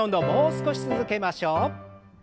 もう少し続けましょう。